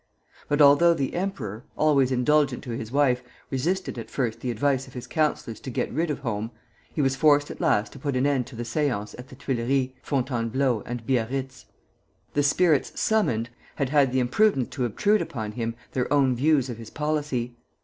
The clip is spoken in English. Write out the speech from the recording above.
But although the emperor, always indulgent to his wife, resisted at first the advice of his counsellors to get rid of Home, he was forced at last to put an end to the séances at the Tuileries, Fontainebleau, and Biarritz. The spirits "summoned" had had the imprudence to obtrude upon him their own views of his policy.